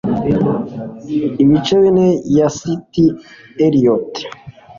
Ibice bine ya T S Eliot